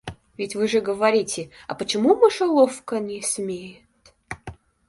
Ведь вы же говорите, а почему мышеловка не смеет?